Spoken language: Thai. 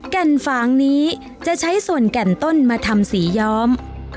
แก่นฝางนี้จะใช้ส่วนแก่นต้นมาทำสีย้อม